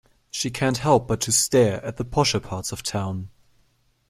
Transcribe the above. She can't help but to stare at the posher parts of town.